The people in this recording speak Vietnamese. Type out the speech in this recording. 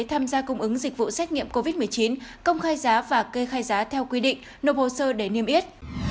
tham gia cung ứng dịch vụ xét nghiệm covid một mươi chín công khai giá và kê khai giá theo quy định nộp hồ sơ để niêm yết